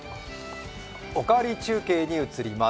「おかわり中継」に移ります。